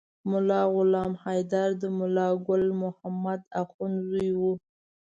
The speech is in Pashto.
ملا غلام حیدر د ملا ګل محمد اخند زوی و.